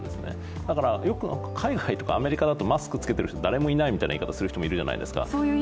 だからよく海外とかアメリカとかマスク着けている人は誰もいないみたいな言い方をする人いるじゃないですか。